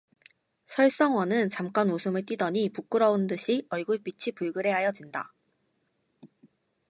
설성월은 잠깐 웃음을 띠더니 부끄러운 듯이 얼굴빛이 불그레하여진다.